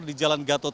di jalan gatot